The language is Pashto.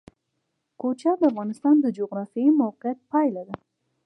کوچیان د افغانستان د جغرافیایي موقیعت پایله ده.